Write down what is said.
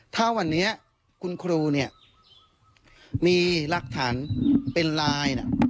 ถ้าวันนี้คุณครูเนี่ยมีหลักฐานเป็นไลน์